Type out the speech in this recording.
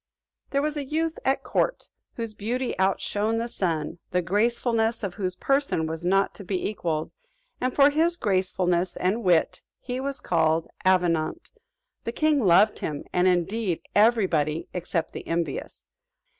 There was a youth at court whose beauty outshone the sun, the gracefulness of whose person was not to be equalled, and for his gracefulness and wit, he was called Avenant: the king loved him, and indeed every body except the envious.